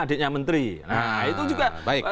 adiknya menteri nah itu juga baik